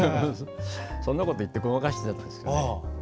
そんなこと言ってごまかしてたんです。